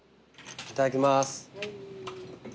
いただきます。